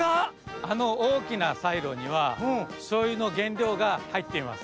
あのおおきなサイロにはしょうゆのげんりょうがはいっています。